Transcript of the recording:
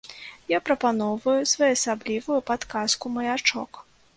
Я прапаноўваю своеасаблівую падказку-маячок.